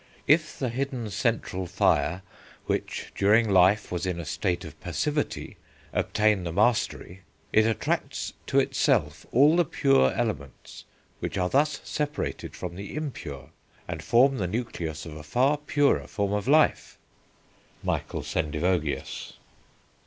If the hidden central fire, which during life was in a state of passivity, obtain the mastery, it attracts to itself all the pure elements, which are thus separated from the impure, and form the nucleus of a far purer form of life." (Michael Sendivogius.)